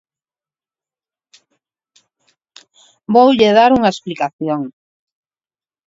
Voulle dar unha explicación.